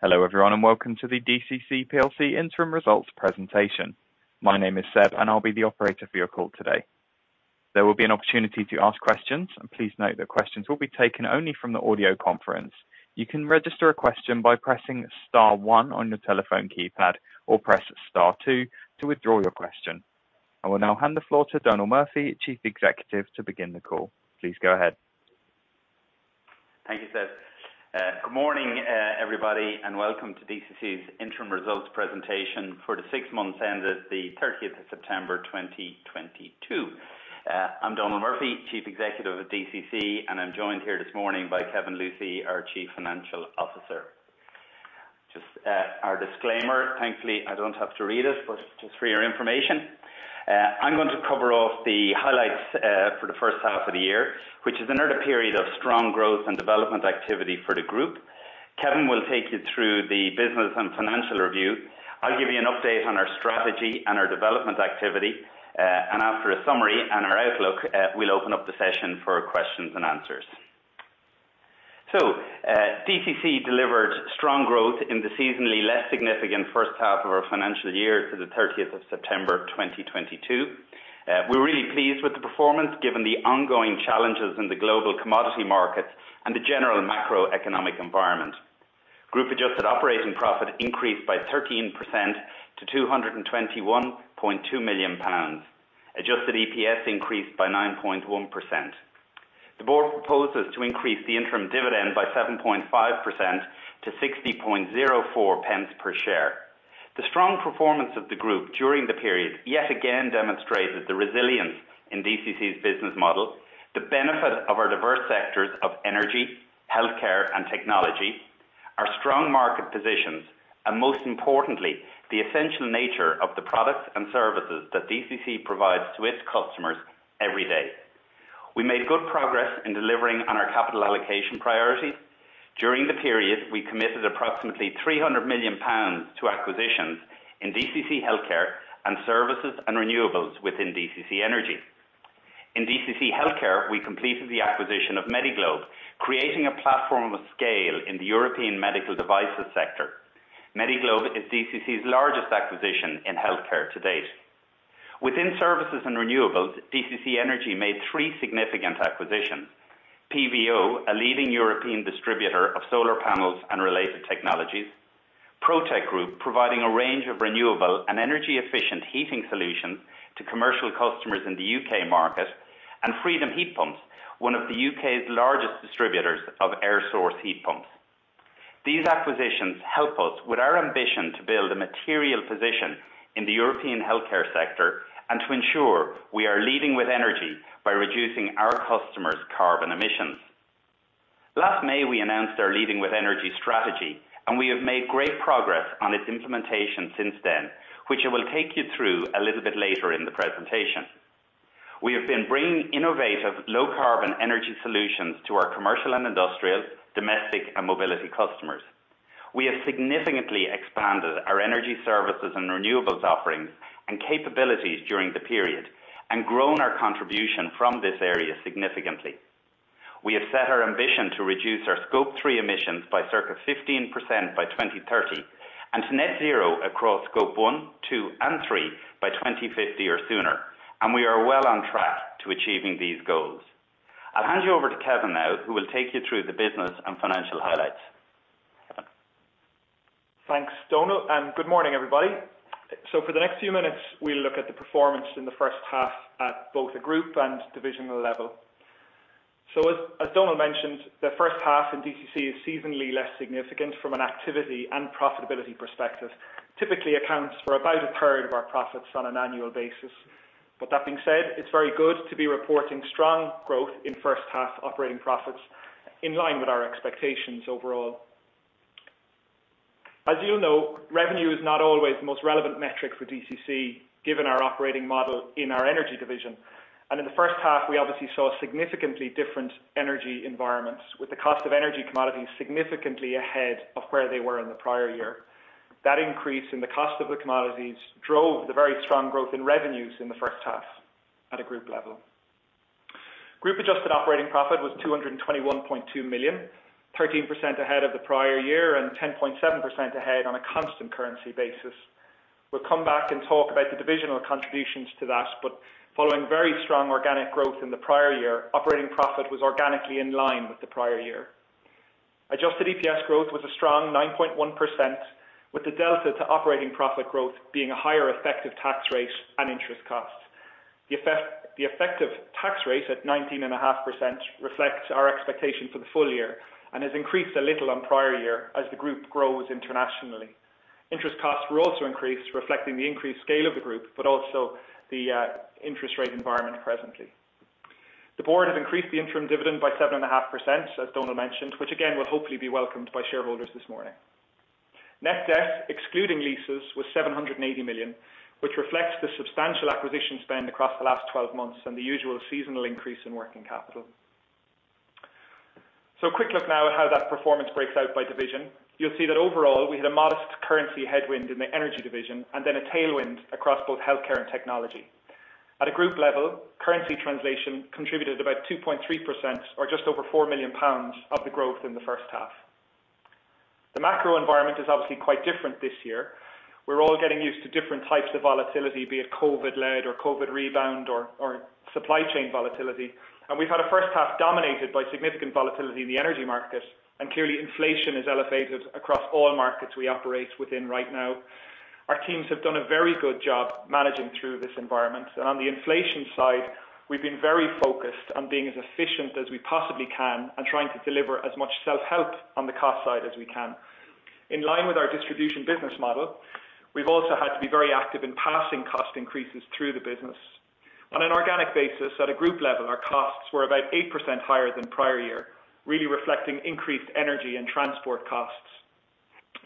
Hello everyone, welcome to the DCC plc Interim Results Presentation. My name is Seb, and I will be the operator for your call today. There will be an opportunity to ask questions. Please note that questions will be taken only from the audio conference. You can register a question by pressing star one on your telephone keypad, or press star two to withdraw your question. I will now hand the floor to Donal Murphy, Chief Executive, to begin the call. Please go ahead. Thank you, Seb. Good morning, everybody, and welcome to DCC's interim results presentation for the six months ended the 30th of September 2022. I am Donal Murphy, Chief Executive at DCC, and I am joined here this morning by Kevin Lucey, our Chief Financial Officer. Just our disclaimer. Thankfully, I do not have to read it, but just for your information. I am going to cover off the highlights for the first half of the year, which is another period of strong growth and development activity for the group. Kevin will take you through the business and financial review. I will give you an update on our strategy and our development activity. After a summary and our outlook, we will open up the session for questions and answers. DCC delivered strong growth in the seasonally less significant first half of our financial year to the 30th of September 2022. We are really pleased with the performance, given the ongoing challenges in the global commodity markets and the general macroeconomic environment. Group adjusted operating profit increased by 13% to 221.2 million pounds. Adjusted EPS increased by 9.1%. The board proposes to increase the interim dividend by 7.5% to 0.6004 per share. The strong performance of the group during the period, yet again, demonstrated the resilience in DCC's business model, the benefit of our diverse sectors of energy, healthcare, and technology, our strong market positions, and most importantly, the essential nature of the products and services that DCC provides to its customers every day. We made good progress in delivering on our capital allocation priorities. During the period, we committed approximately 300 million pounds to acquisitions in DCC Healthcare and Services and Renewables within DCC Energy. In DCC Healthcare, we completed the acquisition of Medi-Globe, creating a platform of scale in the European medical devices sector. Medi-Globe is DCC's largest acquisition in healthcare to date. Within Services and Renewables, DCC Energy made three significant acquisitions. PVO, a leading European distributor of solar panels and related technologies. Protech Group, providing a range of renewable and energy-efficient heating solutions to commercial customers in the U.K. market. Freedom Heat Pumps, one of the U.K.'s largest distributors of air source heat pumps. These acquisitions help us with our ambition to build a material position in the European healthcare sector and to ensure we are leading with energy by reducing our customers' carbon emissions. Last May, we announced our Leading with Energy strategy, and we have made great progress on its implementation since then, which I will take you through a little bit later in the presentation. We have been bringing innovative low-carbon energy solutions to our commercial and industrial, domestic, and Mobility customers. We have significantly expanded our energy Services and Renewables offerings and capabilities during the period and grown our contribution from this area significantly. We have set our ambition to reduce our Scope 3 emissions by circa 15% by 2030, to net zero across Scope 1, 2, and 3 by 2050 or sooner. We are well on track to achieving these goals. I will hand you over to Kevin now, who will take you through the business and financial highlights. Kevin. Thanks, Donal, good morning, everybody. For the next few minutes, we'll look at the performance in the first half at both the group and divisional level. As Donal mentioned, the first half in DCC is seasonally less significant from an activity and profitability perspective. Typically accounts for about a third of our profits on an annual basis. That being said, it is very good to be reporting strong growth in first half operating profits in line with our expectations overall. As you know, revenue is not always the most relevant metric for DCC, given our operating model in our Energy division. In the first half, we obviously saw significantly different energy environments, with the cost of energy commodities significantly ahead of where they were in the prior year. That increase in the cost of the commodities drove the very strong growth in revenues in the first half at a group level. Group adjusted operating profit was 221.2 million, 13% ahead of the prior year and 10.7% ahead on a constant currency basis. We'll come back and talk about the divisional contributions to that, but following very strong organic growth in the prior year, operating profit was organically in line with the prior year. Adjusted EPS growth was a strong 9.1%, with the delta to operating profit growth being a higher effective tax rate and interest cost. The effective tax rate at 19.5% reflects our expectation for the full year and has increased a little on prior year as the group grows internationally. Interest costs were also increased, reflecting the increased scale of the group, but also the interest rate environment presently. The board has increased the interim dividend by 7.5%, as Donal mentioned, which again, will hopefully be welcomed by shareholders this morning. Net debt, excluding leases, was 780 million, which reflects the substantial acquisition spend across the last 12 months and the usual seasonal increase in working capital. A quick look now at how that performance breaks out by division. You'll see that overall, we had a modest currency headwind in the Energy division and then a tailwind across both Healthcare and Technology. At a group level, currency translation contributed about 2.3%, or just over 4 million pounds of the growth in the first half. The macro environment is obviously quite different this year. We're all getting used to different types of volatility, be it COVID-led or COVID rebound or supply chain volatility. We've had a first half dominated by significant volatility in the energy market, and clearly inflation is elevated across all markets we operate within right now. Our teams have done a very good job managing through this environment. On the inflation side, we've been very focused on being as efficient as we possibly can and trying to deliver as much self-help on the cost side as we can. In line with our distribution business model, we've also had to be very active in passing cost increases through the business. On an organic basis, at a group level, our costs were about 8% higher than prior year, really reflecting increased energy and transport costs.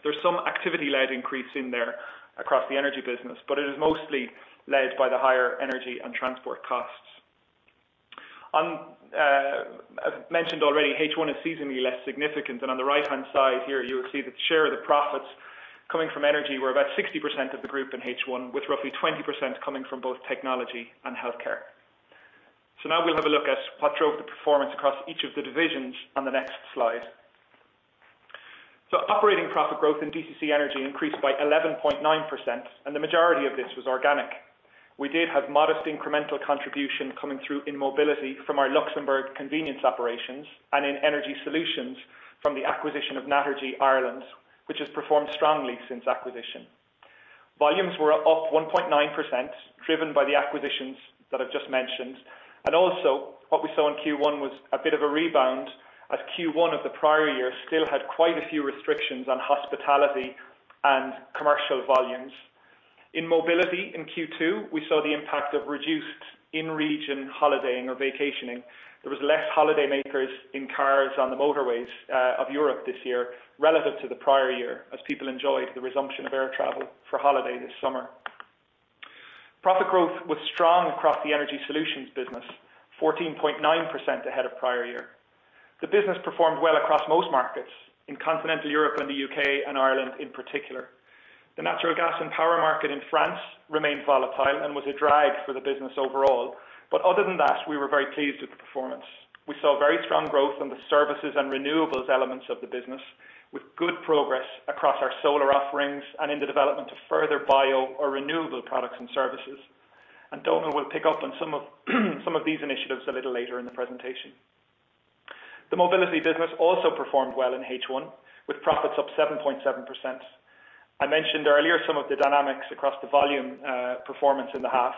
There's some activity-led increase in there across the energy business, but it is mostly led by the higher energy and transport costs. I've mentioned already, H1 is seasonally less significant, and on the right-hand side here, you will see that share of the profits coming from energy were about 60% of the group in H1, with roughly 20% coming from both technology and healthcare. Now we'll have a look at what drove the performance across each of the divisions on the next slide. Operating profit growth in DCC Energy increased by 11.9%, and the majority of this was organic. We did have modest incremental contribution coming through in mobility from our Luxembourg convenience operations, and in Energy Solutions, from the acquisition of Naturgy Ireland, which has performed strongly since acquisition. Volumes were up 1.9%, driven by the acquisitions that I've just mentioned. Also what we saw in Q1 was a bit of a rebound, as Q1 of the prior year still had quite a few restrictions on hospitality and commercial volumes. In Mobility in Q2, we saw the impact of reduced in-region holidaying or vacationing. There was less holidaymakers in cars on the motorways of Europe this year relative to the prior year, as people enjoyed the resumption of air travel for holiday this summer. Profit growth was strong across the Energy Solutions business, 14.9% ahead of prior year. The business performed well across most markets in continental Europe and the U.K. and Ireland in particular. The natural gas and power market in France remained volatile and was a drag for the business overall. Other than that, we were very pleased with the performance. We saw very strong growth on the Services and Renewables elements of the business, with good progress across our solar offerings and in the development of further bio or renewable products and services. Dónal will pick up on some of these initiatives a little later in the presentation. The Mobility business also performed well in H1, with profits up 7.7%. I mentioned earlier some of the dynamics across the volume performance in the half.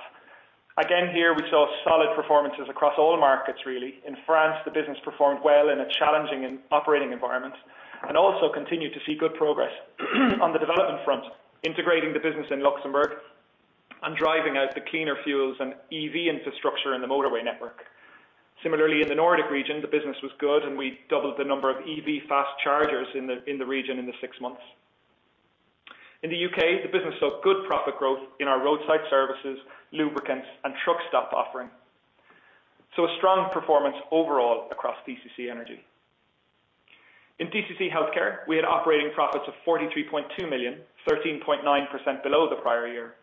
Again, here we saw solid performances across all markets really. In France, the business performed well in a challenging operating environment, and also continued to see good progress on the development front, integrating the business in Luxembourg and driving out the cleaner fuels and EV infrastructure in the motorway network. Similarly, in the Nordic region, the business was good, and we doubled the number of EV fast chargers in the region in the six months. In the U.K., the business saw good profit growth in our roadside services, lubricants, and truck stop offering. A strong performance overall across DCC Energy. In DCC Healthcare, we had operating profits of 43.2 million, 13.9% below the prior year.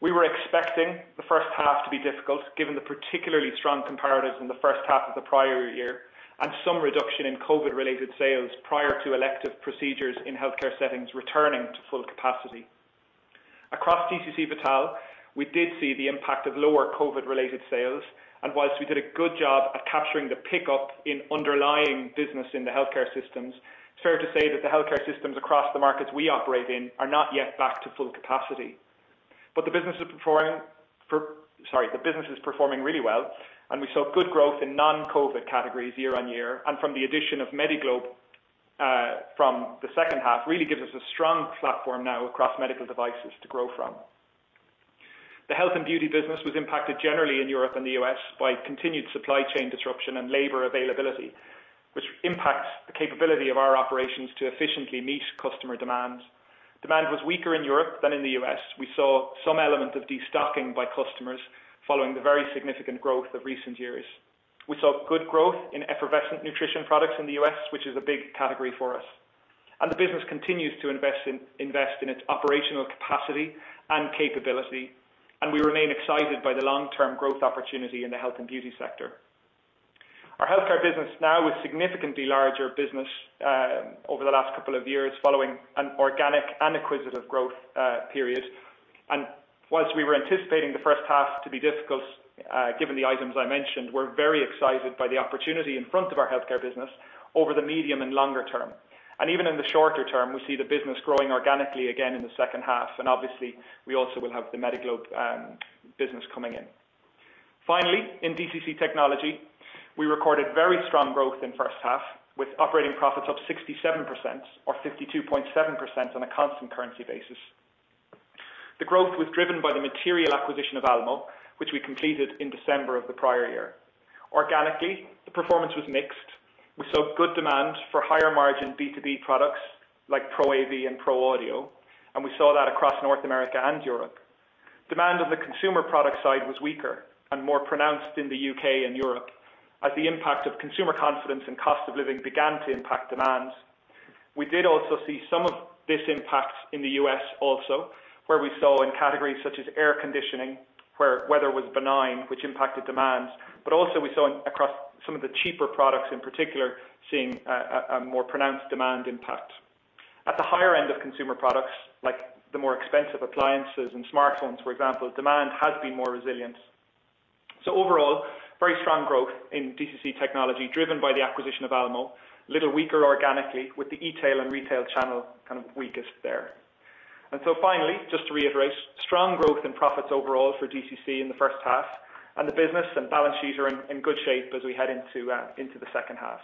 We were expecting the first half to be difficult, given the particularly strong comparatives in the first half of the prior year and some reduction in COVID-related sales prior to elective procedures in healthcare settings returning to full capacity. Across DCC Vital, we did see the impact of lower COVID-related sales, and whilst we did a good job at capturing the pickup in underlying business in the healthcare systems, it's fair to say that the healthcare systems across the markets we operate in are not yet back to full capacity. The business is performing really well, and we saw good growth in non-COVID categories year-on-year, and from the addition of Medi-Globe from the second half really gives us a strong platform now across medical devices to grow from. The health and beauty business was impacted generally in Europe and the U.S. by continued supply chain disruption and labor availability, which impacts the capability of our operations to efficiently meet customer demands. Demand was weaker in Europe than in the U.S. We saw some element of destocking by customers following the very significant growth of recent years. We saw good growth in effervescent nutrition products in the U.S., which is a big category for us. And the business continues to invest in its operational capacity and capability, and we remain excited by the long-term growth opportunity in the health and beauty sector. Our healthcare business now is significantly larger business over the last couple of years following an organic and acquisitive growth period. Whilst we were anticipating the first half to be difficult, given the items I mentioned, we're very excited by the opportunity in front of our healthcare business over the medium and longer term. Even in the shorter term, we see the business growing organically again in the second half, and obviously we also will have the Medi-Globe business coming in. Finally, in DCC Technology, we recorded very strong growth in first half, with operating profits up 67%, or 52.7% on a constant currency basis. The growth was driven by the material acquisition of Almo, which we completed in December of the prior year. Organically, the performance was mixed. We saw good demand for higher margin B2B products like ProAV and ProAudio, and we saw that across North America and Europe. Demand on the consumer product side was weaker and more pronounced in the U.K. and Europe as the impact of consumer confidence and cost of living began to impact demand. We did also see some of this impact in the U.S. also, where we saw in categories such as air conditioning, where weather was benign, which impacted demands, but also we saw across some of the cheaper products, in particular, seeing a more pronounced demand impact. At the higher end of consumer products, like the more expensive appliances and smartphones, for example, demand has been more resilient. Overall, very strong growth in DCC Technology, driven by the acquisition of Almo, a little weaker organically with the e-tail and retail channel kind of weakest there. Finally, just to reiterate, strong growth in profits overall for DCC in the first half, and the business and balance sheets are in good shape as we head into the second half.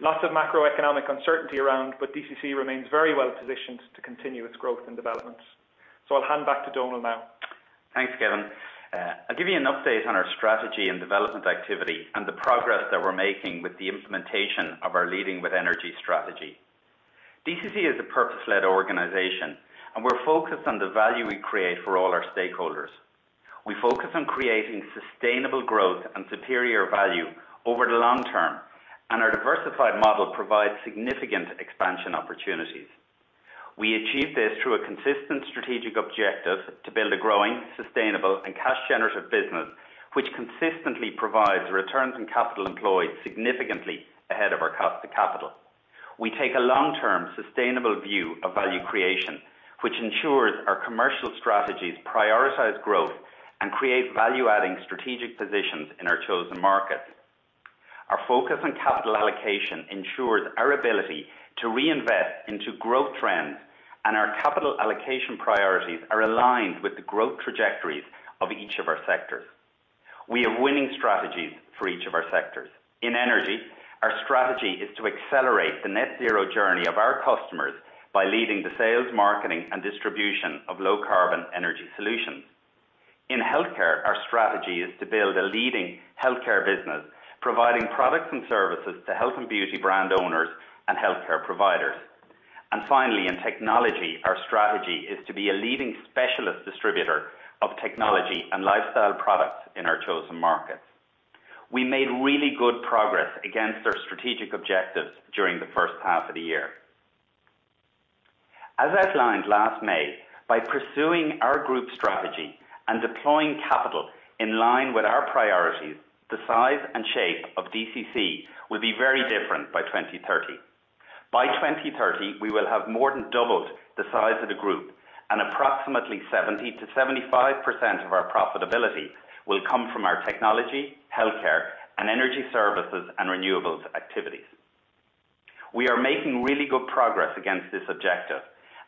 Lots of macroeconomic uncertainty around, but DCC remains very well positioned to continue its growth and development. I'll hand back to Donal now. Thanks, Kevin. I'll give you an update on our strategy and development activity and the progress that we're making with the implementation of our Leading with Energy strategy. DCC is a purpose-led organization, and we're focused on the value we create for all our stakeholders. We focus on creating sustainable growth and superior value over the long term, and our diversified model provides significant expansion opportunities. We achieve this through a consistent strategic objective to build a growing, sustainable, and cash-generative business, which consistently provides returns on capital employed significantly ahead of our cost of capital. We take a long-term, sustainable view of value creation, which ensures our commercial strategies prioritize growth and create value-adding strategic positions in our chosen markets. Our focus on capital allocation ensures our ability to reinvest into growth trends, and our capital allocation priorities are aligned with the growth trajectories of each of our sectors. We have winning strategies for each of our sectors. In energy, our strategy is to accelerate the net zero journey of our customers by leading the sales, marketing, and distribution of low-carbon energy solutions. In healthcare, our strategy is to build a leading healthcare business, providing products and services to health and beauty brand owners and healthcare providers. Finally, in technology, our strategy is to be a leading specialist distributor of technology and lifestyle products in our chosen markets. We made really good progress against our strategic objectives during the first half of the year. As outlined last May, by pursuing our group's strategy and deploying capital in line with our priorities, the size and shape of DCC will be very different by 2030. By 2030, we will have more than doubled the size of the group, and approximately 70%-75% of our profitability will come from our technology, healthcare, and energy Services and Renewables activities. We are making really good progress against this objective,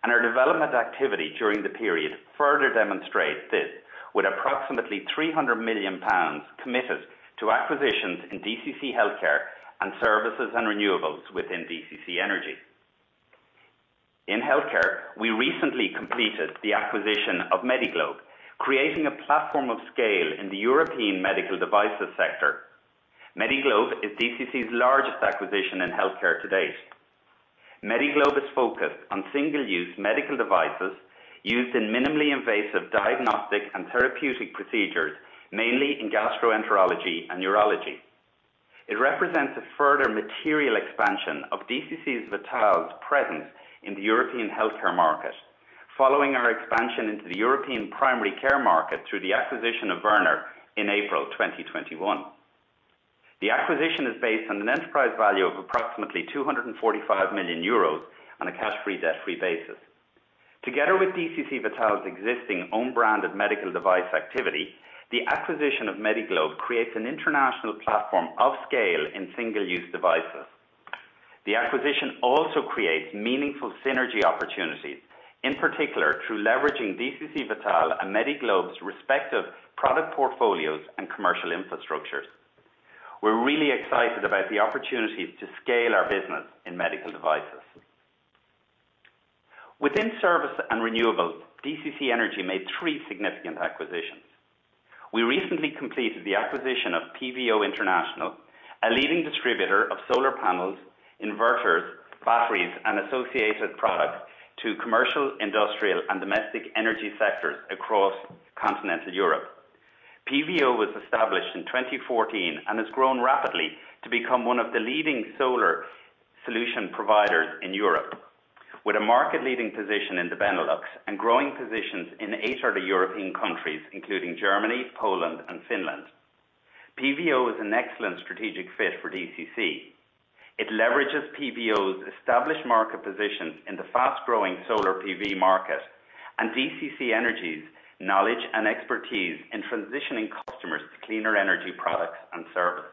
and our development activity during the period further demonstrates this, with approximately 300 million pounds committed to acquisitions in DCC Healthcare and Services and Renewables within DCC Energy. In healthcare, we recently completed the acquisition of Medi-Globe, creating a platform of scale in the European medical devices sector. Medi-Globe is DCC's largest acquisition in healthcare to date. Medi-Globe is focused on single-use medical devices used in minimally invasive diagnostic and therapeutic procedures, mainly in gastroenterology and urology. It represents a further material expansion of DCC Vital's presence in the European healthcare market, following our expansion into the European primary care market through the acquisition of Wörner in April 2021. The acquisition is based on an enterprise value of approximately 245 million euros on a cash-free, debt-free basis. Together with DCC Vital's existing own branded medical device activity, the acquisition of Medi-Globe creates an international platform of scale in single-use devices. The acquisition also creates meaningful synergy opportunities, in particular through leveraging DCC Vital and Medi-Globe's respective product portfolios and commercial infrastructures. We are really excited about the opportunities to scale our business in medical devices. Within service and renewables, DCC Energy made three significant acquisitions. We recently completed the acquisition of PVO International, a leading distributor of solar panels, inverters, batteries, and associated products to commercial, industrial, and domestic energy sectors across continental Europe. PVO was established in 2014 and has grown rapidly to become one of the leading solar solution providers in Europe, with a market-leading position in the Benelux and growing positions in eight other European countries, including Germany, Poland, and Finland. PVO is an excellent strategic fit for DCC. It leverages PVO's established market position in the fast-growing solar PV market and DCC Energy's knowledge and expertise in transitioning customers to cleaner energy products and services.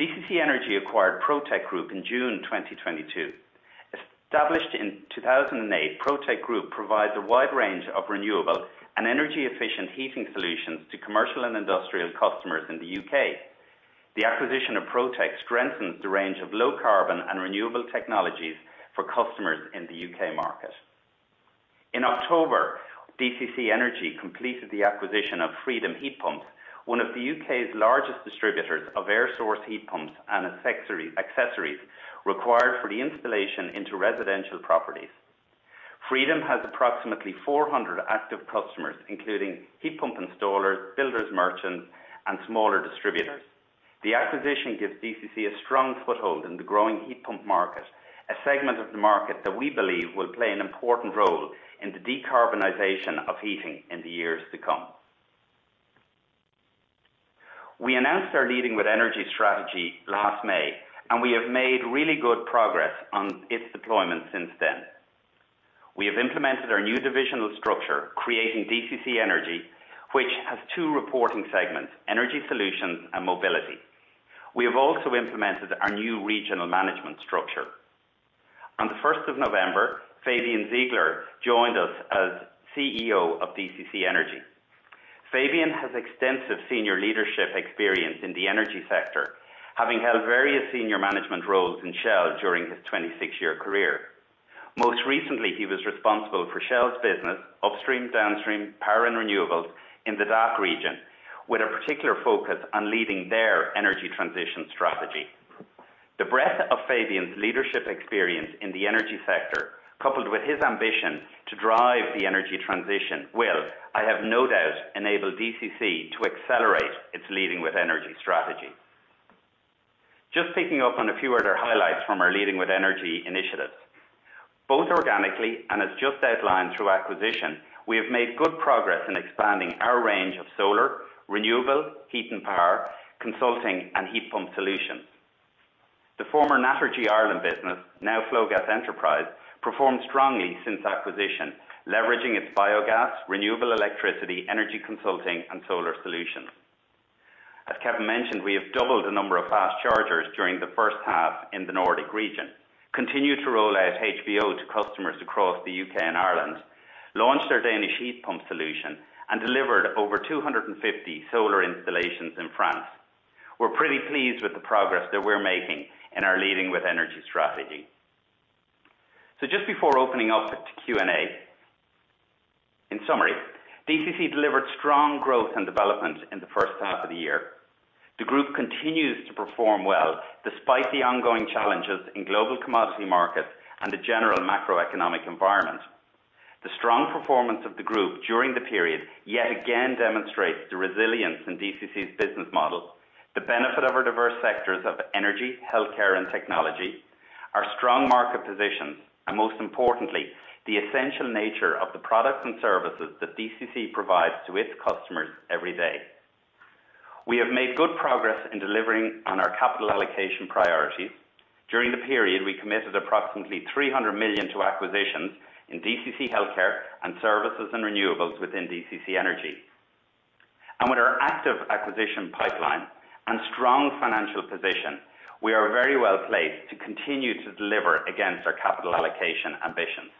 DCC Energy acquired Protech Group in June 2022. Established in 2008, Protech Group provides a wide range of renewable and energy-efficient heating solutions to commercial and industrial customers in the U.K. The acquisition of Protech strengthens the range of low carbon and renewable technologies for customers in the U.K. market. In October, DCC Energy completed the acquisition of Freedom Heat Pumps, one of the U.K.'s largest distributors of air source heat pumps and accessories required for the installation into residential properties. Freedom has approximately 400 active customers, including heat pump installers, builders merchants, and smaller distributors. The acquisition gives DCC a strong foothold in the growing heat pump market, a segment of the market that we believe will play an important role in the decarbonization of heating in the years to come. We announced our Leading with Energy strategy last May, and we have made really good progress on its deployment since then. We have implemented our new divisional structure, creating DCC Energy, which has two reporting segments, Energy Solutions and Mobility. We have also implemented our new regional management structure. On the 1st of November, Fabian Ziegler joined us as CEO of DCC Energy. Fabian has extensive senior leadership experience in the energy sector, having held various senior management roles in Shell during his 26-year career. Most recently, he was responsible for Shell's business upstream, downstream, power and renewables in the DACH region, with a particular focus on leading their energy transition strategy. The breadth of Fabian's leadership experience in the energy sector, coupled with his ambition to drive the energy transition, will, I have no doubt, enable DCC to accelerate its Leading with Energy strategy. Just picking up on a few other highlights from our Leading with Energy initiatives. Both organically and as just outlined through acquisition, we have made good progress in expanding our range of solar, renewable heat and power, consulting, and heat pump solutions. The former Naturgy Ireland business, now Flogas Enterprise, performed strongly since acquisition, leveraging its biogas, renewable electricity, energy consulting, and solar solutions. As Kevin mentioned, we have doubled the number of fast chargers during the first half in the Nordic region, continued to roll out HVO to customers across the U.K. and Ireland, launched our Danish heat pump solution, and delivered over 250 solar installations in France. We're pretty pleased with the progress that we're making in our Leading with Energy strategy. Just before opening up to Q&A, in summary, DCC delivered strong growth and development in the first half of the year. The group continues to perform well despite the ongoing challenges in global commodity markets and the general macroeconomic environment. The strong performance of the group during the period yet again demonstrates the resilience in DCC's business model, the benefit of our diverse sectors of energy, healthcare, and technology, our strong market positions, and most importantly, the essential nature of the products and services that DCC provides to its customers every day. We have made good progress in delivering on our capital allocation priorities. During the period, we committed approximately 300 million to acquisitions in DCC Healthcare and Services and Renewables within DCC Energy. With our active acquisition pipeline and strong financial position, we are very well-placed to continue to deliver against our capital allocation ambitions.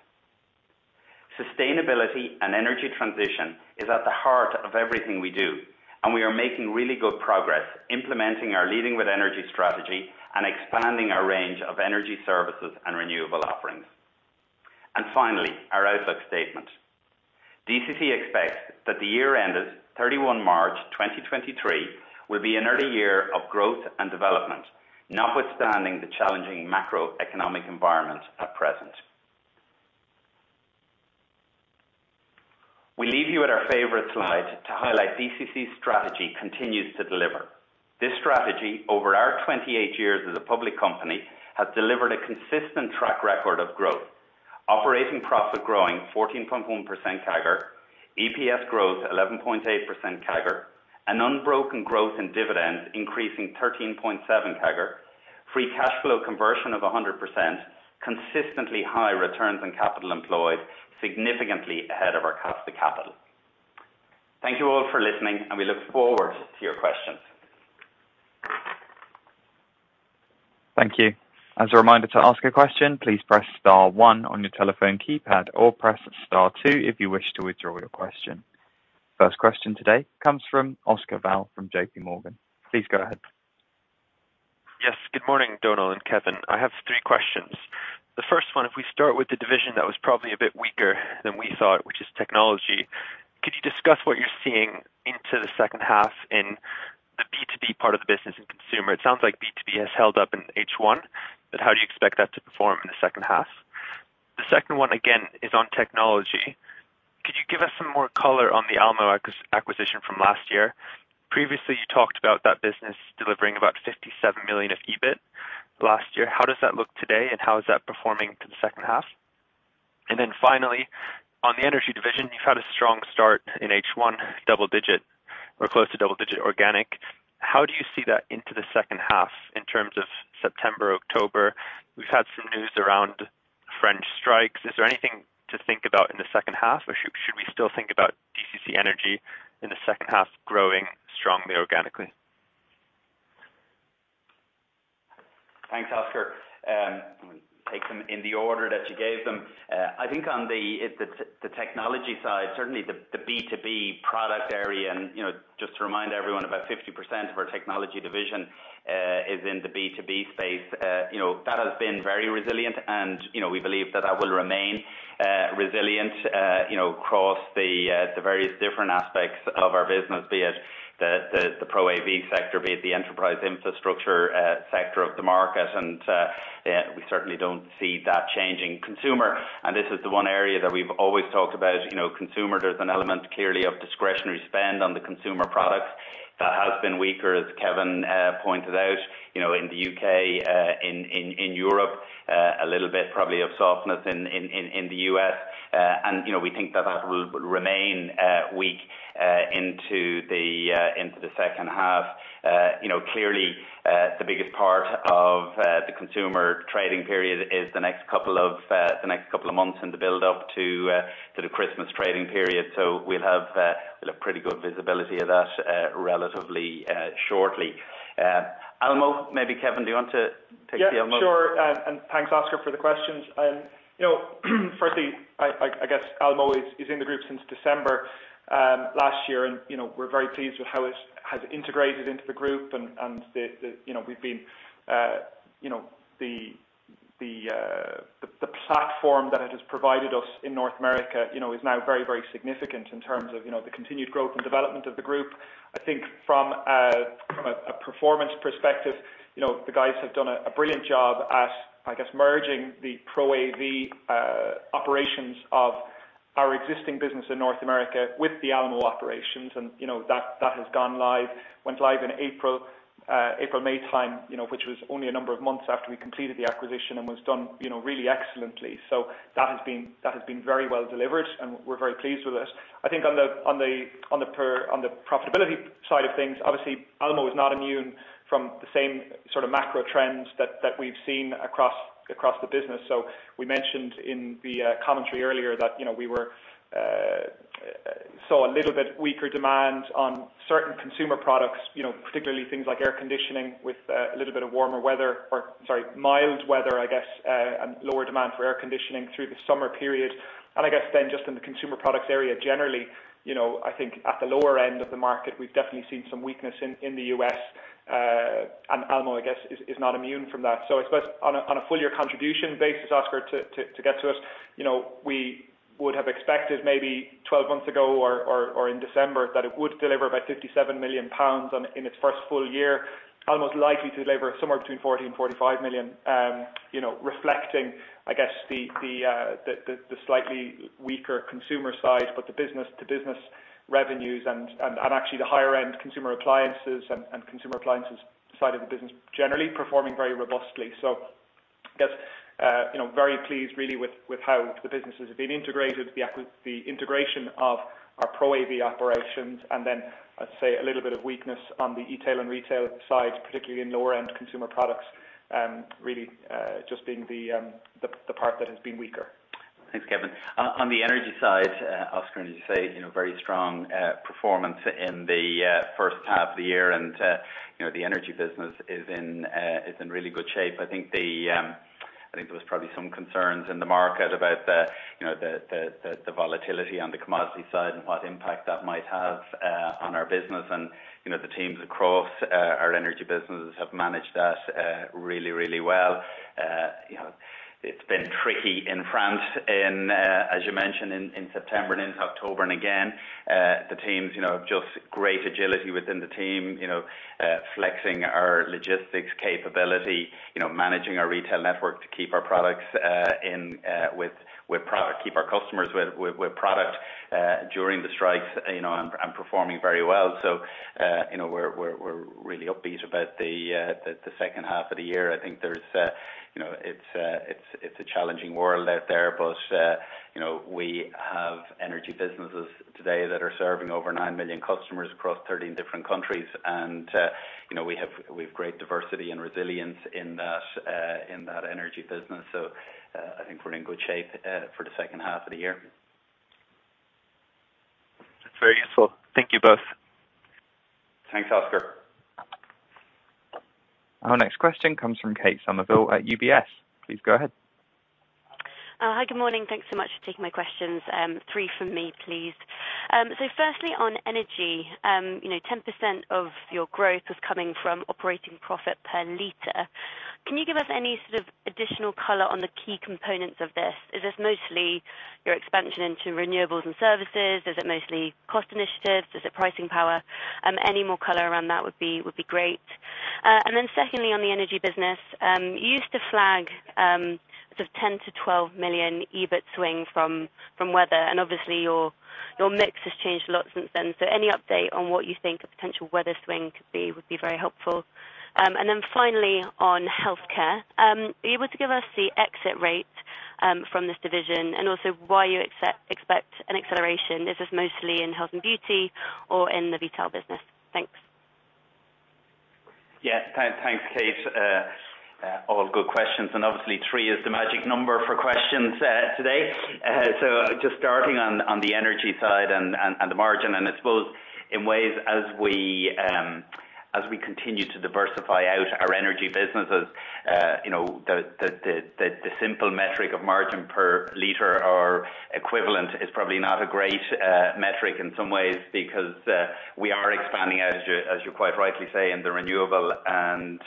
Sustainability and energy transition is at the heart of everything we do, and we are making really good progress implementing our Leading with Energy strategy and expanding our range of energy services and renewable offerings. Finally, our outlook statement. DCC expects that the year ended 31 March 2023 will be another year of growth and development, notwithstanding the challenging macroeconomic environment at present. We leave you with our favorite slide to highlight DCC's strategy continues to deliver. This strategy, over our 28 years as a public company, has delivered a consistent track record of growth, operating profit growing 14.1% CAGR, EPS growth 11.8% CAGR, an unbroken growth in dividends increasing 13.7% CAGR, free cash flow conversion of 100%, consistently high returns on capital employed, significantly ahead of our cost of capital. Thank you all for listening, and we look forward to your questions. Thank you. As a reminder to ask a question, please press star one on your telephone keypad or press star two if you wish to withdraw your question. First question today comes from Oscar Val from JPMorgan. Please go ahead. Yes. Good morning, Donal and Kevin. I have three questions. The first one, if we start with the division that was probably a bit weaker than we thought, which is technology, could you discuss what you're seeing into the second half in the B2B part of the business and consumer? It sounds like B2B has held up in H1, but how do you expect that to perform in the second half? The second one, again, is on technology. Could you give us some more color on the Almo acquisition from last year? Previously, you talked about that business delivering about 57 million of EBIT last year. How does that look today, and how is that performing for the second half? Finally, on the energy division, you've had a strong start in H1, double-digit or close to double-digit organic. How do you see that into the second half in terms of September, October? We've had some news around French strikes. Is there anything to think about in the second half, or should we still think about DCC Energy in the second half growing strongly organically? Thanks, Oscar. Let me take them in the order that you gave them. I think on the technology side, certainly the B2B product area, and just to remind everyone, about 50% of our technology division is in the B2B space. That has been very resilient, and we believe that that will remain resilient across the various different aspects of our business, be it the ProAV sector, be it the enterprise infrastructure sector of the market. We certainly don't see that changing. Consumer, this is the one area that we've always talked about. Consumer, there's an element clearly of discretionary spend on the consumer products. That has been weaker, as Kevin pointed out, in the U.K., in Europe, a little bit probably of softness in the U.S., and we think that that will remain weak into the second half. Clearly, the biggest part of the consumer trading period is the next couple of months in the build-up to the Christmas trading period. We'll have pretty good visibility of that relatively shortly. Almo, maybe Kevin, do you want to take the Almo? Yeah, sure. Thanks, Oscar, for the questions. Firstly, I guess Almo is in the group since December last year. We are very pleased with how it has integrated into the group. The platform that it has provided us in North America is now very significant in terms of the continued growth and development of the group. I think from a performance perspective, the guys have done a brilliant job at, I guess, merging the ProAV operations of our existing business in North America with the Almo operations. That has gone live, went live in April, May time, which was only a number of months after we completed the acquisition and was done really excellently. That has been very well delivered, and we are very pleased with it. I think on the profitability side of things, obviously, Almo is not immune from the same sort of macro trends that we have seen across the business. We mentioned in the commentary earlier that we saw a little bit weaker demand on certain consumer products, particularly things like air conditioning, with a little bit of warmer weather, or, sorry, mild weather, I guess, and lower demand for air conditioning through the summer period. I guess then just in the consumer products area, generally, I think at the lower end of the market, we have definitely seen some weakness in the U.S., and Almo, I guess, is not immune from that. I suppose on a full year contribution basis, Oscar, to get to it, we would have expected maybe 12 months ago or in December that it would deliver about 57 million pounds in its first full year. Almo is likely to deliver somewhere between 40 million and 45 million, reflecting, I guess, the slightly weaker consumer side, but the business-to-business revenues and actually the higher end consumer appliances and consumer appliances side of the business generally performing very robustly. I guess, very pleased really with how the businesses have been integrated, the integration of our ProAV operations, and then, I would say a little bit of weakness on the e-tail and retail side, particularly in lower end consumer products, really just being the part that has been weaker. Thanks, Kevin. On the Energy side, Oscar, as you say, very strong performance in the first half of the year. The Energy business is in really good shape. I think there was probably some concerns in the market about the volatility on the commodity side and what impact that might have on our business. The teams across our Energy businesses have managed that really, really well. It has been tricky in France in, as you mentioned, in September and into October. Again, the teams, just great agility within the team, flexing our logistics capability, managing our retail network to keep our customers with product during the strikes, and performing very well. We are really upbeat about the second half of the year. I think it is a challenging world out there, but we have Energy businesses today that are serving over 9 million customers across 13 different countries. We have great diversity and resilience in that energy business. I think we're in good shape for the second half of the year. That's very useful. Thank you both. Thanks, Oscar. Our next question comes from Kate Somerville at UBS. Please go ahead. Hi, good morning. Thanks so much for taking my questions. Three from me, please. Firstly, on energy, 10% of your growth is coming from operating profit per liter. Can you give us any sort of additional color on the key components of this? Is this mostly your expansion into renewables and services? Is it mostly cost initiatives? Is it pricing power? Any more color around that would be great. Secondly, on the energy business, you used to flag sort of 10 million-12 million EBIT swing from weather, and obviously your mix has changed a lot since then. Any update on what you think a potential weather swing could be, would be very helpful. Finally on healthcare, are you able to give us the exit rate from this division and also why you expect an acceleration? Is this mostly in health and beauty or in the retail business? Thanks. Thanks, Kate. All good questions. Obviously three is the magic number for questions today. Just starting on the energy side and the margin, I suppose in ways, as we continue to diversify out our energy businesses, the simple metric of margin per liter or equivalent is probably not a great metric in some ways because we are expanding, as you quite rightly say, in the renewable and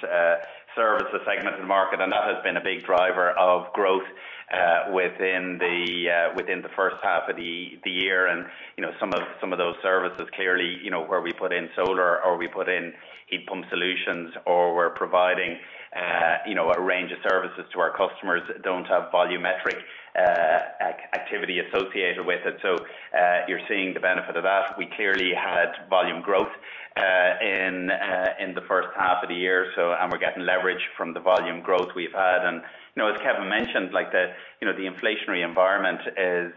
services segment of the market. That has been a big driver of growth within the first half of the year. Some of those services clearly, where we put in solar or we put in heat pump solutions, or we're providing a range of services to our customers that don't have volumetric activity associated with it. You're seeing the benefit of that. We clearly had volume growth in the first half of the year, we're getting leverage from the volume growth we've had. As Kevin mentioned, the inflationary environment is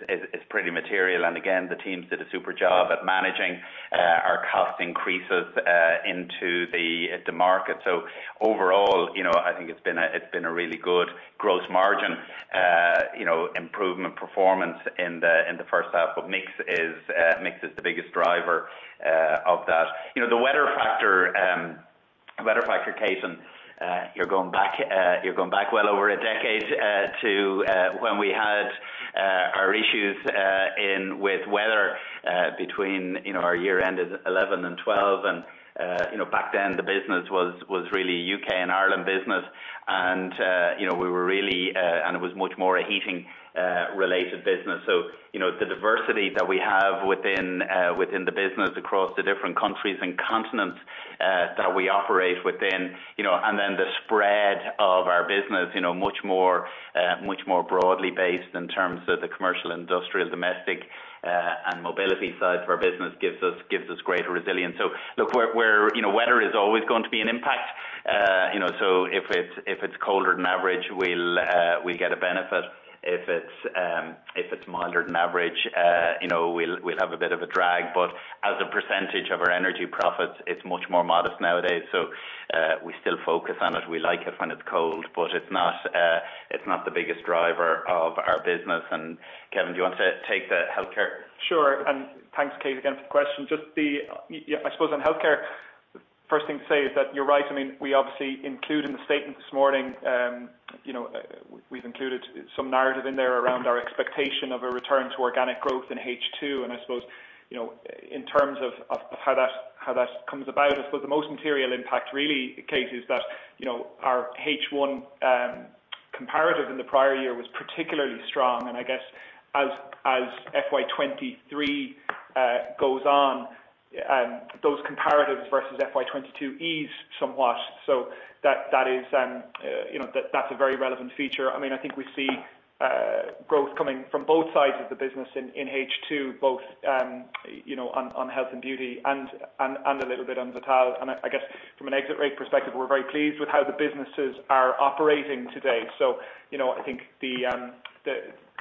pretty material. Again, the teams did a super job at managing our cost increases into the market. Overall, I think it's been a really good gross margin improvement performance in the first half. Mix is the biggest driver of that. The weather factor, Kate, you're going back well over a decade to when we had our issues with weather between our year end of 2011 and 2012. Back then, the business was really U.K. and Ireland business, it was much more a heating related business. The diversity that we have within the business across the different countries and continents that we operate within, and then the spread of our business, much more broadly based in terms of the commercial, industrial, domestic, and Mobility sides of our business gives us greater resilience. Look, weather is always going to be an impact. If it's colder than average, we'll get a benefit. If it's milder than average, we'll have a bit of a drag. As a percentage of our Energy profits, it's much more modest nowadays. We still focus on it. We like it when it's cold, but it's not the biggest driver of our business. Kevin, do you want to take the Healthcare? Sure. Thanks, Kate, again, for the question. I suppose on Healthcare, first thing to say is that you're right. We obviously include in the statement this morning, we've included some narrative in there around our expectation of a return to organic growth in H2. I suppose, in terms of how that comes about, I suppose the most material impact really, Kate, is that our H1 comparative in the prior year was particularly strong. I guess as FY 2023 goes on, those comparatives versus FY 2022 ease somewhat. That's a very relevant feature. I think we see growth coming from both sides of the business in H2, both on health and beauty, and a little bit on Vital. I guess from an exit rate perspective, we're very pleased with how the businesses are operating today. I think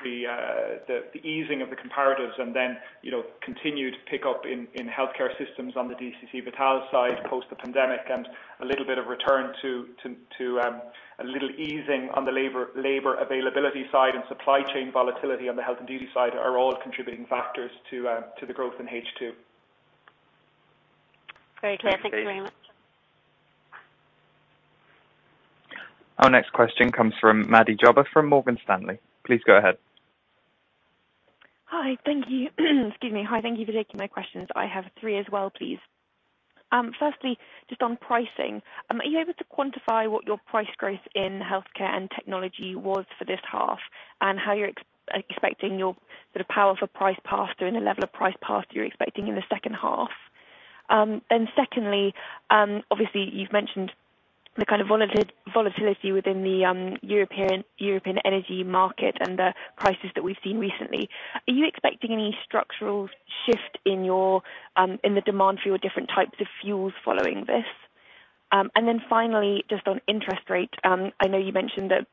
the easing of the comparatives and then continued pick up in healthcare systems on the DCC Vital side post the pandemic, and a little bit of return to a little easing on the labor availability side and supply chain volatility on the health and beauty side are all contributing factors to the growth in H2. Great. Yeah. Thank you very much. Thanks, Kate. Our next question comes from Maddy Jobber from Morgan Stanley. Please go ahead. Hi. Thank you. Excuse me. Hi. Thank you for taking my questions. I have three as well, please. Firstly, just on pricing, are you able to quantify what your price growth in healthcare and technology was for this half, and how you're expecting your sort of powerful price pass through and the level of price pass through you're expecting in the second half? Secondly, obviously you've mentioned the kind of volatility within the European energy market and the prices that we've seen recently. Are you expecting any structural shift in the demand for your different types of fuels following this? Finally, just on interest rate. I know you mentioned that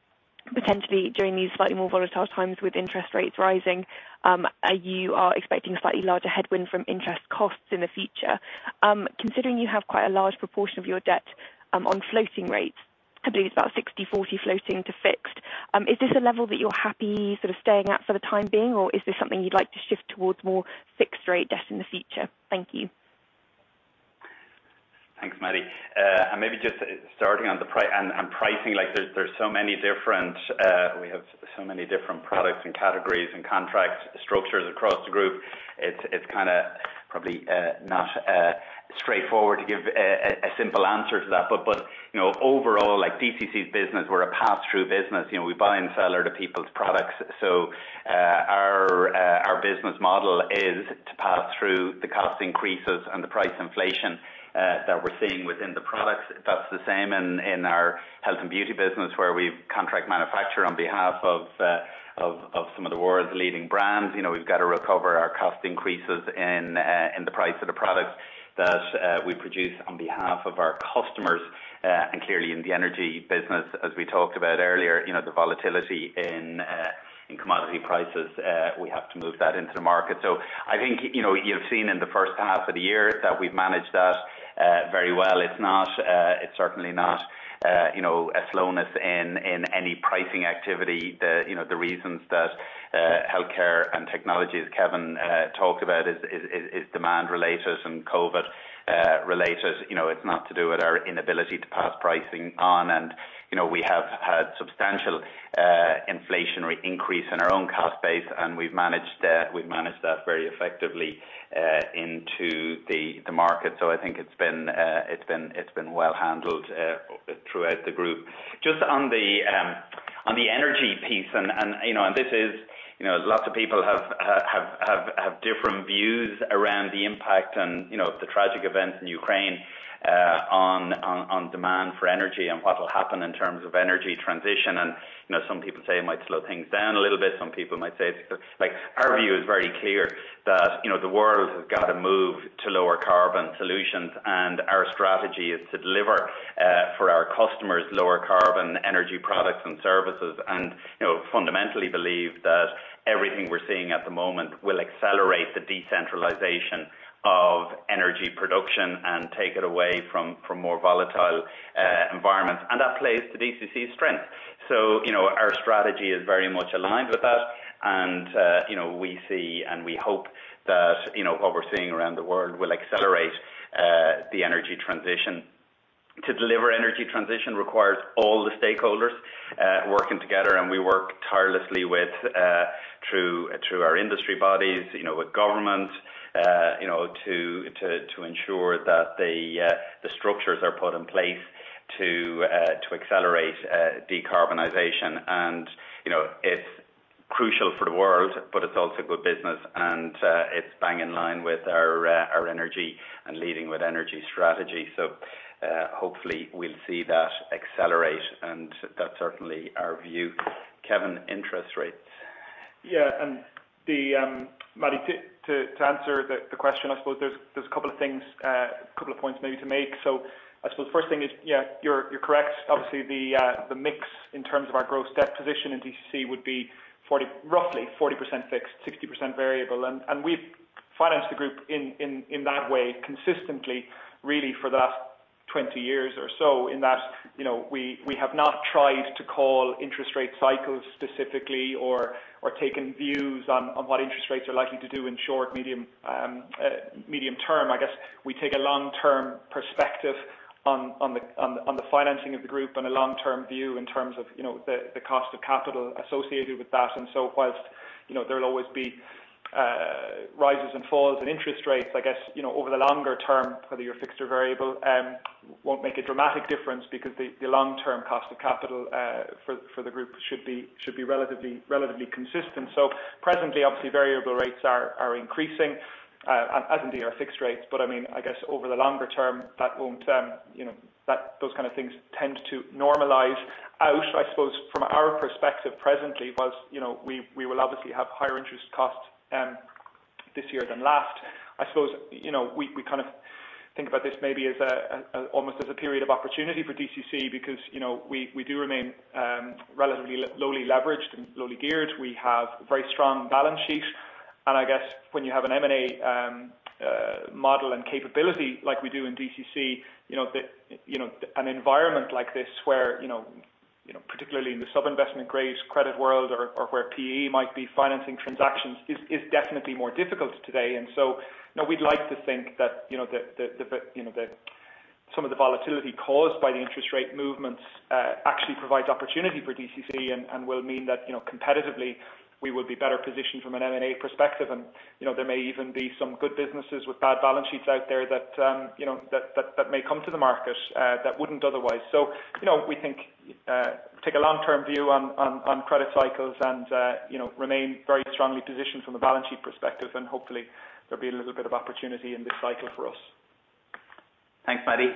potentially during these slightly more volatile times with interest rates rising, you are expecting a slightly larger headwind from interest costs in the future. Considering you have quite a large proportion of your debt on floating rates, I believe it's about 60/40 floating to fixed, is this a level that you're happy sort of staying at for the time being, or is this something you'd like to shift towards more fixed rate debt in the future? Thank you. Thanks, Maddy. Maybe just starting on pricing, we have so many different products and categories and contract structures across the group. It's kind of probably not straightforward to give a simple answer to that. Overall, like DCC's business, we're a pass-through business. We buy and sell other people's products. Our business model is to pass through the cost increases and the price inflation that we're seeing within the products. That's the same in our health and beauty business where we contract manufacture on behalf of some of the world's leading brands. We've got to recover our cost increases in the price of the products that we produce on behalf of our customers. Clearly in the energy business, as we talked about earlier, the volatility in commodity prices, we have to move that into the market. I think, you've seen in the first half of the year that we've managed that very well. It's certainly not a slowness in any pricing activity. The reasons that healthcare and technologies, Kevin talked about, is demand related and COVID related. It's not to do with our inability to pass pricing on. We have had substantial inflationary increase in our own cost base, and we've managed that very effectively into the market. I think it's been well handled throughout the group. Just on the energy piece, lots of people have different views around the impact and the tragic events in Ukraine. On demand for energy and what will happen in terms of energy transition. Some people say it might slow things down a little bit. Some people might say, like our view is very clear that the world has got to move to lower carbon solutions, our strategy is to deliver for our customers lower carbon energy products and services. Fundamentally believe that everything we're seeing at the moment will accelerate the decentralization of energy production and take it away from more volatile environments. That plays to DCC's strength. Our strategy is very much aligned with that. We see and we hope that what we're seeing around the world will accelerate the energy transition. To deliver energy transition requires all the stakeholders working together, we work tirelessly through our industry bodies with government to ensure that the structures are put in place to accelerate decarbonization. It's crucial for the world, but it's also good business, and it's bang in line with our energy and leading with energy strategy. Hopefully we'll see that accelerate and that's certainly our view. Kevin, interest rates. Yeah. Maddy, to answer the question, I suppose there's a couple of points maybe to make. I suppose first thing is, yeah, you're correct. Obviously, the mix in terms of our gross debt position in DCC would be roughly 40% fixed, 60% variable. We've financed the group in that way consistently, really for the last 20 years or so, in that, we have not tried to call interest rate cycles specifically or taken views on what interest rates are likely to do in short, medium term. I guess we take a long term perspective on the financing of the group and a long term view in terms of the cost of capital associated with that. Whilst there'll always be rises and falls in interest rates, I guess over the longer term, whether you're fixed or variable, won't make a dramatic difference because the long term cost of capital for the group should be relatively consistent. Presently, obviously variable rates are increasing, as in they are fixed rates. I guess over the longer term, those kind of things tend to normalize out. I suppose from our perspective presently, whilst we will obviously have higher interest costs this year than last, I suppose we kind of think about this maybe almost as a period of opportunity for DCC because we do remain relatively lowly leveraged and lowly geared. We have very strong balance sheets. I guess when you have an M&A model and capability like we do in DCC, an environment like this where particularly in the sub-investment grade credit world or where PE might be financing transactions is definitely more difficult today. We'd like to think that some of the volatility caused by the interest rate movements actually provides opportunity for DCC and will mean that competitively we will be better positioned from an M&A perspective. There may even be some good businesses with bad balance sheets out there that may come to the market that wouldn't otherwise. We take a long term view on credit cycles and remain very strongly positioned from a balance sheet perspective and hopefully there'll be a little bit of opportunity in this cycle for us. Thanks, Maddy.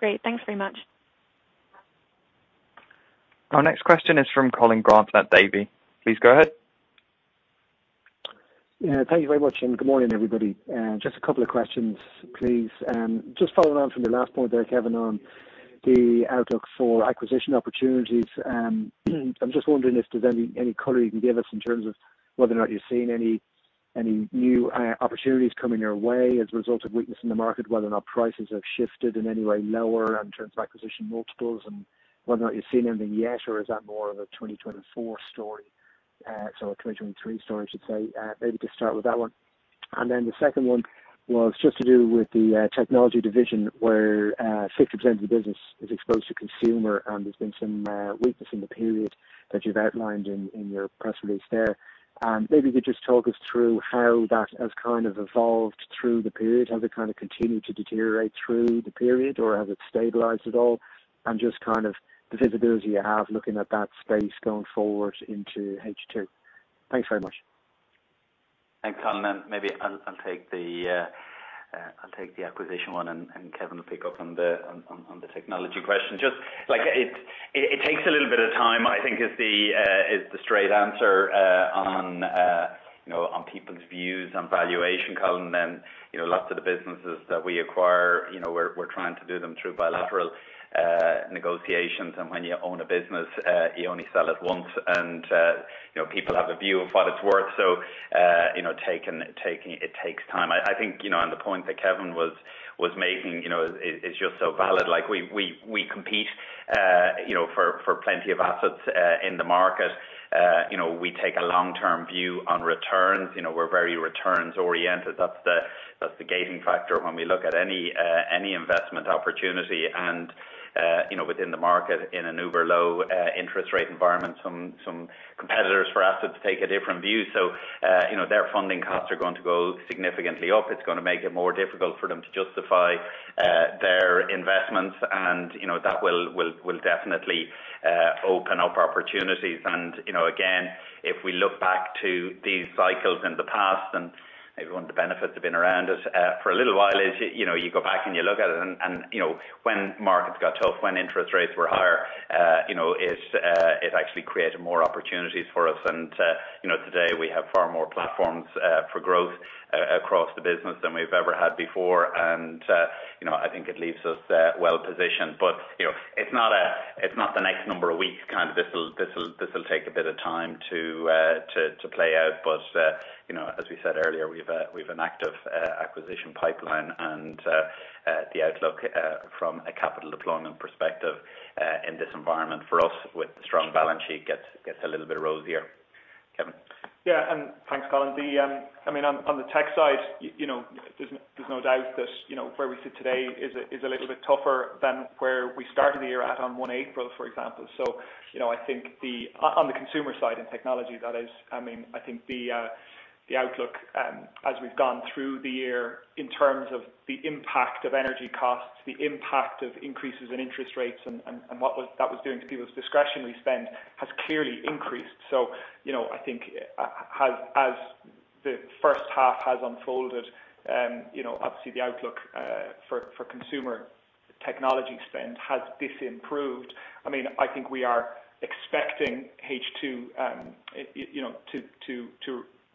Great. Thanks very much. Our next question is from Colin Grant at Davy. Please go ahead. Yeah. Thank you very much. Good morning, everybody. Just a couple of questions, please. Just following on from your last point there, Kevin, on the outlook for acquisition opportunities. I'm just wondering if there's any color you can give us in terms of whether or not you're seeing any new opportunities coming your way as a result of weakness in the market, whether or not prices have shifted in any way lower in terms of acquisition multiples, and whether or not you're seeing anything yet or is that more of a 2024 story? So a 2023 story, I should say. Maybe just start with that one. Then the second one was just to do with the Technology division, where 60% of the business is exposed to consumer, and there's been some weakness in the period that you've outlined in your press release there. Maybe you could just talk us through how that has kind of evolved through the period. Has it kind of continued to deteriorate through the period, or has it stabilized at all? Just kind of the visibility you have looking at that space going forward into H2. Thanks very much. Thanks, Colin. Maybe I'll take the acquisition one, and Kevin will pick up on the technology question. Just like, it takes a little bit of time, I think is the straight answer on people's views on valuation, Colin. Lots of the businesses that we acquire, we're trying to do them through bilateral negotiations. When you own a business, you only sell it once. People have a view of what it's worth. It takes time. I think, the point that Kevin was making is just so valid. Like, we compete for plenty of assets in the market. We take a long term view on returns. We're very returns oriented. That's the gating factor when we look at any investment opportunity. Within the market, in an uber low interest rate environment, some competitors for assets take a different view. Their funding costs are going to go significantly up. It's going to make it more difficult for them to justify You know that will definitely open up opportunities. Again, if we look back to these cycles in the past, and maybe one of the benefits of being around us for a little while is you go back and you look at it and when markets got tough, when interest rates were higher it actually created more opportunities for us. Today we have far more platforms for growth across the business than we've ever had before. I think it leaves us well positioned. It's not the next number of weeks. This will take a bit of time to play out. As we said earlier, we've an active acquisition pipeline and the outlook from a capital deployment perspective in this environment, for us, with the strong balance sheet gets a little bit rosier. Kevin. Yeah. Thanks, Colin. On the tech side, there's no doubt that where we sit today is a little bit tougher than where we started the year at on 1 April, for example. I think on the consumer side in technology that is. I think the outlook as we've gone through the year in terms of the impact of energy costs, the impact of increases in interest rates and what that was doing to people's discretionary spend has clearly increased. I think as the first half has unfolded obviously the outlook for consumer technology spend has disimproved. I think we are expecting H2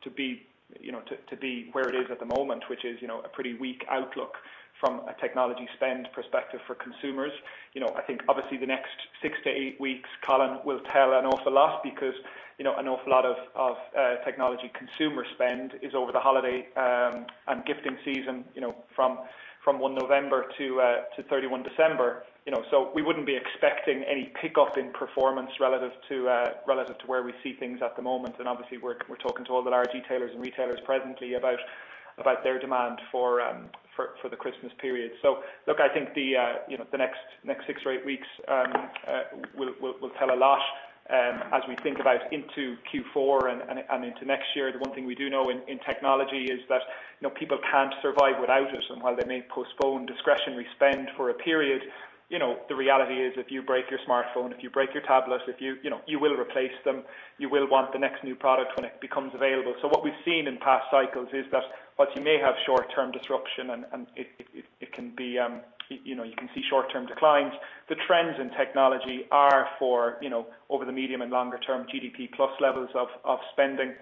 to be where it is at the moment, which is a pretty weak outlook from a technology spend perspective for consumers. I think obviously the next six to eight weeks, Colin, will tell an awful lot because an awful lot of technology consumer spend is over the holiday and gifting season from 1 November to 31 December. We wouldn't be expecting any pickup in performance relative to where we see things at the moment. Obviously we're talking to all the large retailers and retailers presently about their demand for the Christmas period. Look, I think the next six or eight weeks will tell a lot as we think about into Q4 and into next year. One thing we do know in technology is that people can't survive without us. While they may postpone discretionary spend for a period, the reality is if you break your smartphone, if you break your tablet, you will replace them. You will want the next new product when it becomes available. What we've seen in past cycles is that whilst you may have short-term disruption and you can see short-term declines, the trends in technology are for over the medium and longer term GDP plus levels of spending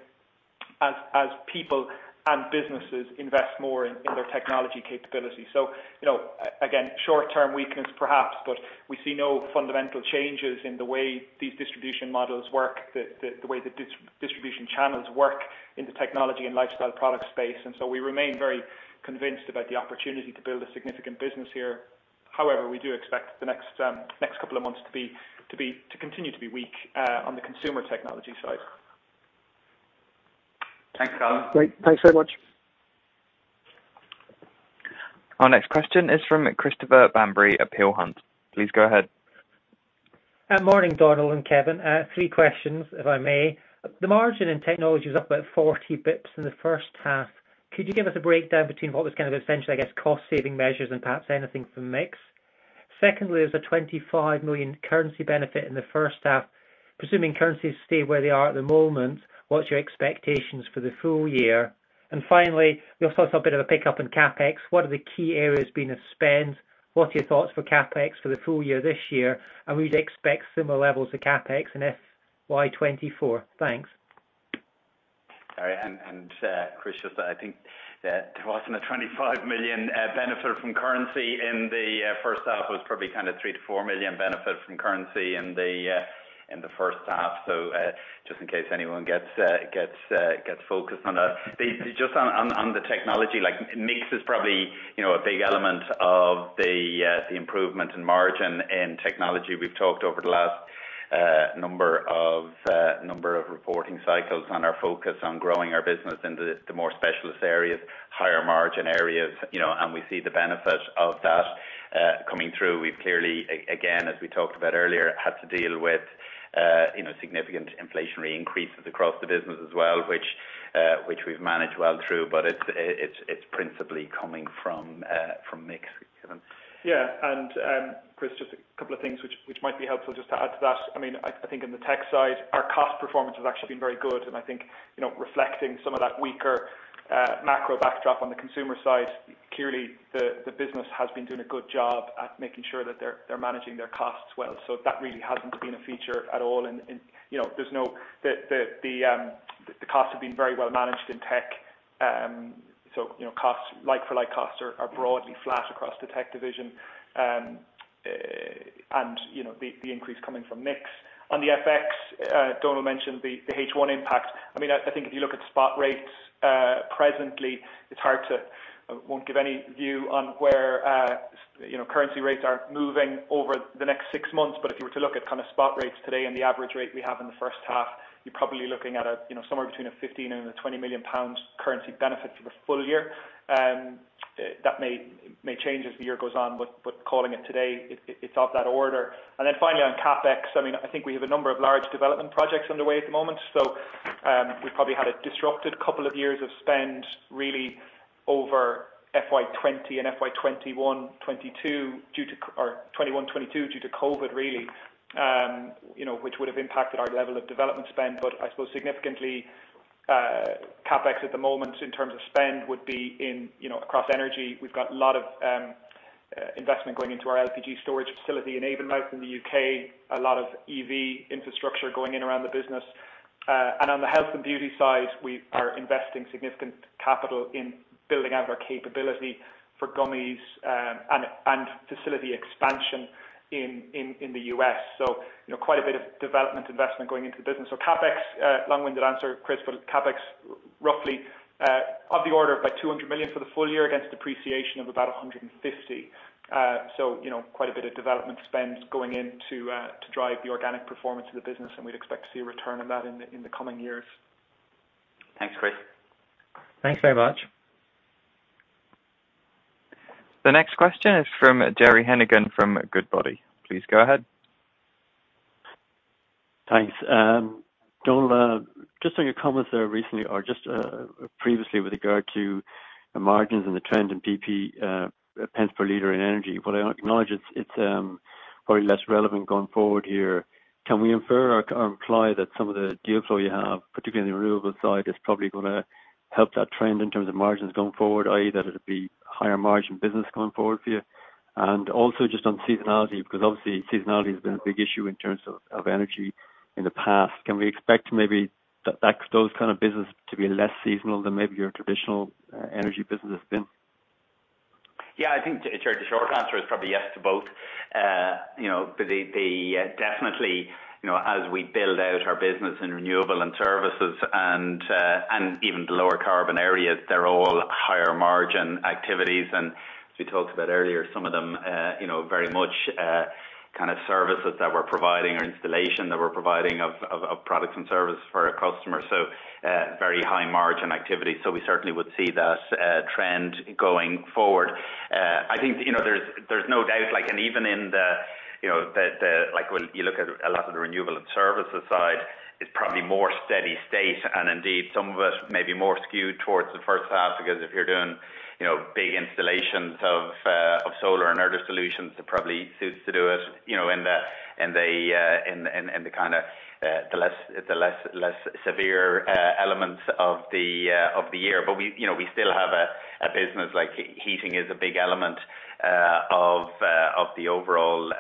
as people and businesses invest more in their technology capability. Again, short-term weakness perhaps, but we see no fundamental changes in the way these distribution models work, the way the distribution channels work in the technology and lifestyle product space. We remain very convinced about the opportunity to build a significant business here. However, we do expect the next couple of months to continue to be weak on the consumer technology side. Thanks, Colin. Great. Thanks very much. Our next question is from Christopher Bambury at Peel Hunt. Please go ahead. Morning, Donal and Kevin. Three questions, if I may. The margin in DCC Technology was up about 40 basis points in the first half. Could you give us a breakdown between what was kind of essentially, I guess, cost saving measures and perhaps anything from mix? Secondly, there was a 25 million currency benefit in the first half. Presuming currencies stay where they are at the moment, what is your expectations for the full year? Finally, we also saw a bit of a pickup in CapEx. What are the key areas being of spend? What are your thoughts for CapEx for the full year this year? Would you expect similar levels of CapEx in FY 2024? Thanks. Sorry. Christopher, just that I think that there wasn't a 25 million benefit from currency in the first half. It was probably kind of 3 million to 4 million benefit from currency in the first half. Just in case anyone gets focused on that. Just on the DCC Technology, like mix is probably a big element of the improvement in margin in DCC Technology. We have talked over the last number of reporting cycles on our focus on growing our business into the more specialist areas, higher margin areas. We see the benefit of that coming through. We have clearly, again, as we talked about earlier, had to deal with significant inflationary increases across the business as well, which we have managed well through. But it is principally coming from mix. Kevin. Yeah. Christopher, just a couple of things which might be helpful just to add to that. I think in the tech side, our cost performance has actually been very good. I think reflecting some of that weaker macro backdrop on the consumer side, clearly the business has been doing a good job at making sure that they are managing their costs well. That really has not been a feature at all. The costs have been very well managed in tech. Like for like costs are broadly flat across the tech division. The increase coming from mix. On the FX, Donal mentioned the H1 impact. I think if you look at spot rates presently, I won't give any view on where currency rates are moving over the next six months. If you were to look at kind of spot rates today and the average rate we have in the first half, you're probably looking at somewhere between a 15 million and a 20 million pounds currency benefit for the full year. That may change as the year goes on. Calling it today, it's of that order. Finally on CapEx, I think we have a number of large development projects underway at the moment. We've probably had a disrupted couple of years of spend really over FY 2020 and FY 2021, 2022 due to, or 2021, 2022 due to COVID really, which would've impacted our level of development spend. I suppose significantly, CapEx at the moment in terms of spend would be across energy. We've got a lot of investment going into our LPG storage facility in Avonmouth in the U.K. A lot of EV infrastructure going in around the business. On the health and beauty side, we are investing significant capital in building out our capability for gummies, and facility expansion in the U.S. Quite a bit of development investment going into the business. CapEx, long-winded answer, Chris, CapEx roughly of the order of about 200 million for the full year against depreciation of about 150 million. Quite a bit of development spend going in to drive the organic performance of the business, and we'd expect to see a return on that in the coming years. Thanks, Chris. Thanks very much. The next question is from Gerry Hennigan from Goodbody. Please go ahead. Thanks. Donal, just on your comments there recently, or just previously with regard to the margins and the trend in PP, pence per liter in energy. I acknowledge it's probably less relevant going forward here. Can we infer or imply that some of the deal flow you have, particularly on the renewable side, is probably going to help that trend in terms of margins going forward, i.e., that it'll be higher margin business going forward for you? Also just on seasonality, because obviously seasonality has been a big issue in terms of energy in the past. Can we expect maybe those kind of business to be less seasonal than maybe your traditional energy business has been? Yeah, I think, Gerry, the short answer is probably yes to both. Definitely, as we build out our business in renewable and services and even the lower carbon areas, they're all higher margin activities. And as we talked about earlier, some of them very much kind of services that we're providing or installation that we're providing of products and service for our customers. Very high margin activity. We certainly would see that trend going forward. I think, there's no doubt, like, and even when you look at a lot of the renewable and services side, it's probably more steady state and indeed some of it may be more skewed towards the first half because if you're doing big installations of solar and Energy Solutions, it probably suits to do it in the kind of less severe elements of the year. We still have a business, like heating is a big element of the overall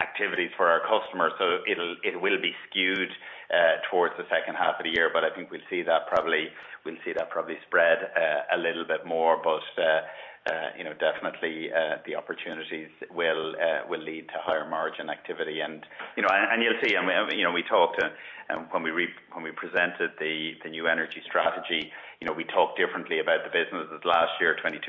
activities for our customers. It will be skewed towards the second half of the year. I think we'll see that probably spread a little bit more. Definitely the opportunities will lead to higher margin activity. And you'll see, when we presented the new energy strategy, we talked differently about the business. Last year, 22%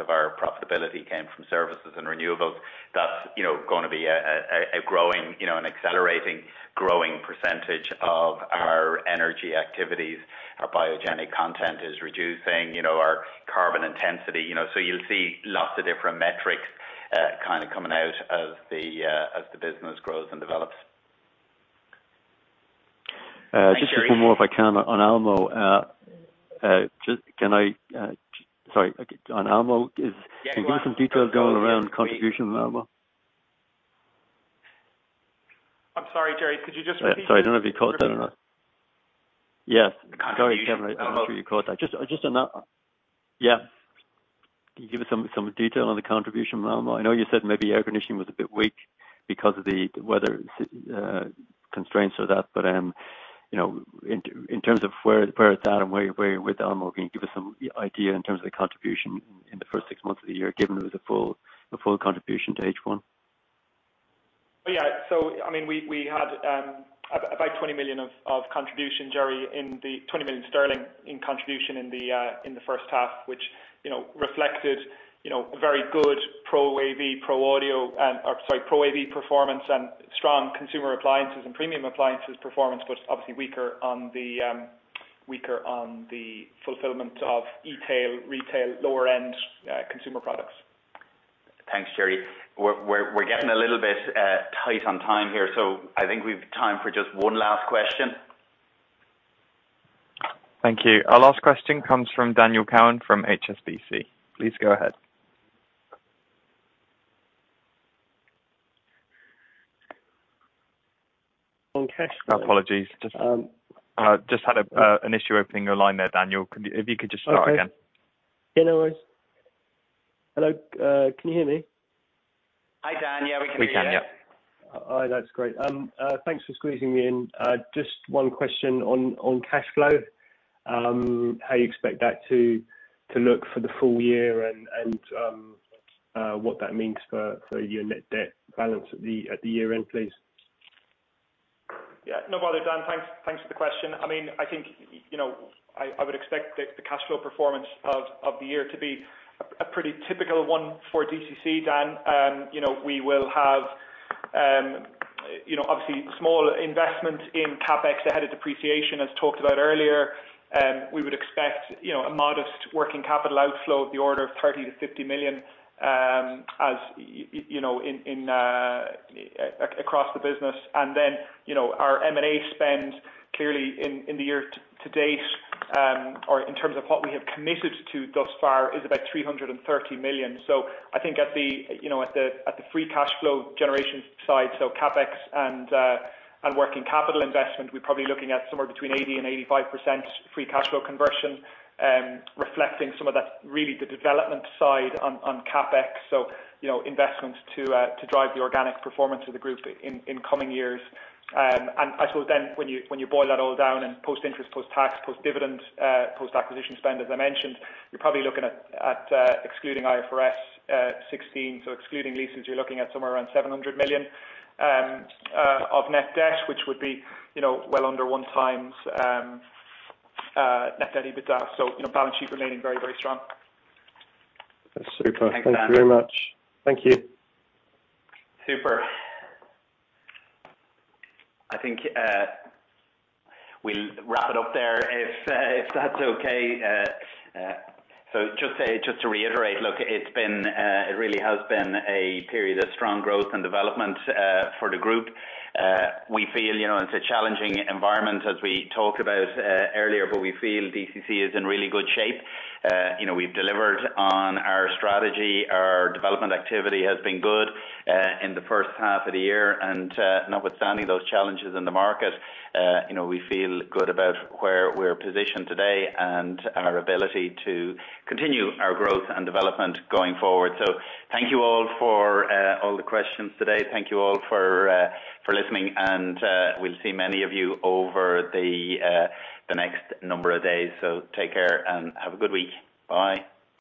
of our profitability came from Services and Renewables. That's going to be an accelerating growing percentage of our energy activities. Our biogenic content is reducing our carbon intensity. You'll see lots of different metrics kind of coming out as the business grows and develops. Just a little more if I can, on Almo. Sorry. On Almo, can you give some details Donal, around contribution of Almo? I'm sorry, Gerry, could you just repeat that? Sorry. I don't know if you caught that or not. Yes. The contribution of Almo. Sorry, Kevin Lucey. I'm not sure you caught that. Can you give us some detail on the contribution of Almo? I know you said maybe air conditioning was a bit weak because of the weather constraints to that. In terms of where it's at and where you're with Almo, can you give us some idea in terms of the contribution in the first six months of the year, given it was a full contribution to H1? We had about 20 million in contribution, Gerry Hennigan, in the first half, which reflected a very good ProAV performance and strong consumer appliances and premium appliances performance, obviously weaker on the fulfillment of e-tail, retail, lower-end consumer products. Thanks, Gerry. We're getting a little bit tight on time here. I think we've time for just one last question. Thank you. Our last question comes from Daniel Cowan from HSBC. Please go ahead. On cash flow- Apologies. Just had an issue opening your line there, Daniel. If you could just start again. Okay. Yeah, no worries. Hello. Can you hear me? Hi, Dan. Yeah, we can hear you. We can, yeah. All right. That's great. Thanks for squeezing me in. Just one question on cash flow. How you expect that to look for the full year and what that means for your net debt balance at the year end, please? Yeah. No bother, Dan. Thanks for the question. I think, I would expect the cash flow performance of the year to be a pretty typical one for DCC, Dan. We will have obviously small investment in CapEx ahead of depreciation, as talked about earlier. We would expect a modest working capital outflow of the order of 30 million-50 million across the business. Our M&A spend clearly in the year to date, or in terms of what we have committed to thus far, is about 330 million. I think at the free cash flow generation side, so CapEx and working capital investment, we're probably looking at somewhere between 80%-85% free cash flow conversion, reflecting some of that really the development side on CapEx. Investments to drive the organic performance of the group in coming years. I suppose when you boil that all down and post interest, post tax, post dividend, post acquisition spend, as I mentioned, you're probably looking at excluding IFRS 16. Excluding leases, you're looking at somewhere around 700 million of net debt, which would be well under 1x net debt EBITDA. Balance sheet remaining very, very strong. That's super. Thanks, Dan. Thank you very much. Thank you. Super. I think we'll wrap it up there if that's okay. Just to reiterate, look, it really has been a period of strong growth and development for the group. We feel it's a challenging environment as we talked about earlier, but we feel DCC is in really good shape. We've delivered on our strategy. Our development activity has been good in the first half of the year. Notwithstanding those challenges in the market, we feel good about where we're positioned today and our ability to continue our growth and development going forward. Thank you all for all the questions today. Thank you all for listening, and we'll see many of you over the next number of days. Take care and have a good week. Bye.